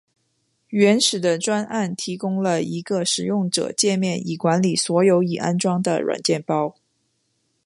原始的专案提供了一个使用者介面以管理所有已安装的软体包。